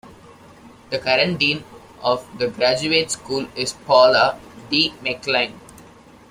The current dean of The Graduate School is Paula D. McClain.